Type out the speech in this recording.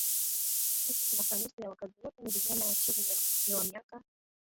Sits mwaka Nusu ya wakazi wote ni vijana chini ya umri wa miaka